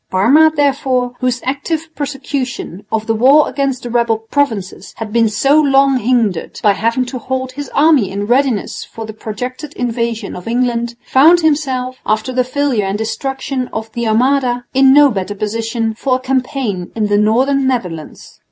Parma, therefore, whose active prosecution of the war against the rebel provinces had been so long hindered by having to hold his army in readiness for the projected invasion of England, found himself, after the failure and destruction of the Armada, in no better position for a campaign in the northern Netherlands.